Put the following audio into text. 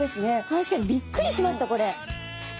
確かにびっくりしましたこれ。